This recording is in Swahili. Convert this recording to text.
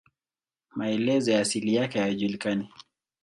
Maelezo ya asili yake hayajulikani.